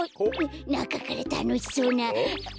なかからたのしそうななかから。